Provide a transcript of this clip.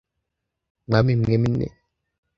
Mwami mwene Dawidi tubabarire